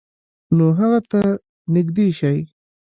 نو هغه ته نږدې شئ،